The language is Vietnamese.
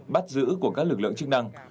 bắt giữ của các lực lượng chức năng